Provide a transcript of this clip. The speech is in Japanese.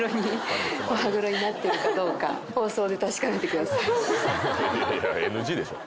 「お歯黒になってるか放送で確かめてください」